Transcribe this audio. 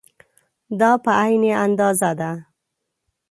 دا په عین اندازه ده.